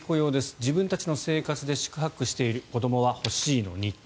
自分たちの生活で四苦八苦している子どもは欲しいのに。